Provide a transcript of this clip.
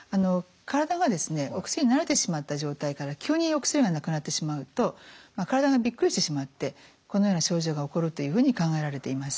体がですねお薬慣れてしまった状態から急にお薬がなくなってしまうと体がびっくりしてしまってこのような症状が起こるというふうに考えられています。